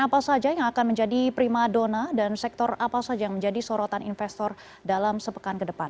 dan emiten apa saja yang akan menjadi prima dona dan sektor apa saja yang menjadi sorotan investor dalam sepekan ke depan